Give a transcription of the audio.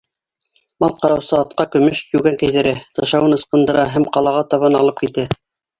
Мал ҡараусы атҡа көмөш йүгән кейҙерә, тышауын ыскындыра һәм ҡалаға табан алып китә.